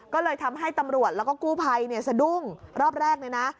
ก็เลยทำให้ตำรวจแล้วก็กู้ภัยเนี่ยสะดุ้งรอบแรกเลยนะ